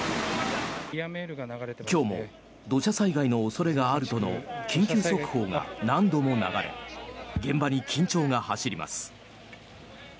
今日も土砂災害の恐れがあるとの緊急速報が何度も流れ現場に緊張が走ります。